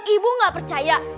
ibu gak percaya